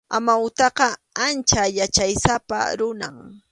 Amawtaqa ancha yachaysapa runam.